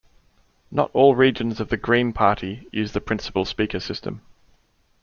Not all regions of the Green Party use the Principal Speaker system.